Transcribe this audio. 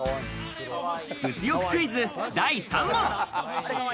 物欲クイズ、第３問。